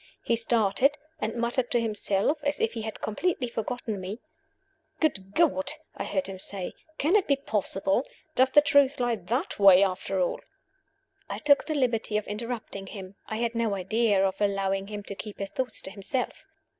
He started, and muttered to himself, as if he had completely forgotten me. "Good God!" I heard him say "can it be possible? Does the truth lie that way after all?" I took the liberty of interrupting him. I had no idea of allowing him to keep his thoughts to himself.